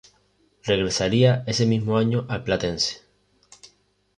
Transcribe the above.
Regresaría ese mismo año al Platense.